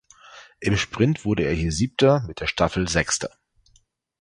Im Sprint wurde er hier Siebter, mit der Staffel Sechster.